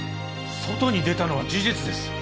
外に出たのは事実です！